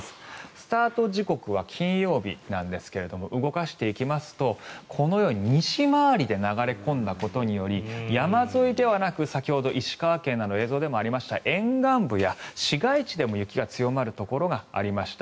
スタート時刻は金曜日なんですが動かしていきますと、このように西回りで流れ込んだことにより山沿いではなく先ほど石川県など映像でもありました沿岸部や市街地でも雪が強まるところがありました。